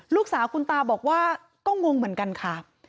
ลูกสาวคุณตาบอกว่าก็งงเหมือนกันค่ะ